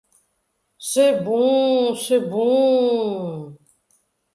C’est bon, c’est bon…